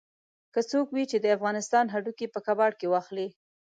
که څوک وي چې د افغانستان هډوکي په کباړ کې واخلي.